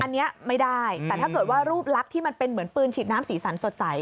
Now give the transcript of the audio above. อันนี้ไม่ได้แต่ถ้าเกิดว่ารูปลักษณ์ที่มันเป็นเหมือนปืนฉีดน้ำสีสันสดใส